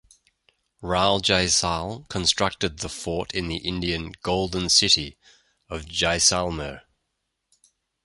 Rao Jaisal constructed the fort in the Indian "Golden City" of Jaisalmer.